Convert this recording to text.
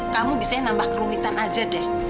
kamu biasanya nambah kerumitan aja deh